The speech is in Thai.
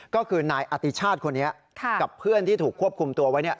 ก็คือนายอติชาติคนนี้กับเพื่อนที่ถูกควบคุมตัวไว้